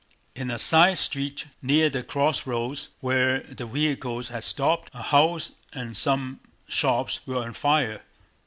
In a side street near the crossroads where the vehicles had stopped, a house and some shops were on fire.